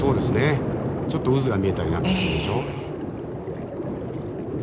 ちょっと渦が見えたりなんかするでしょう。